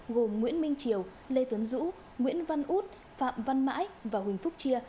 gồm nguyễn minh triều lê tuấn dũng nguyễn văn út phạm văn mãi và huỳnh phúc chia